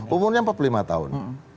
umurnya empat puluh lima tahun